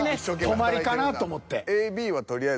泊まりかなと思って。